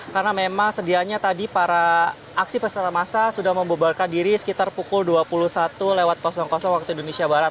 karena memang sedianya tadi para aksi peserta masa sudah membubarkan diri sekitar pukul dua puluh satu lewat waktu indonesia barat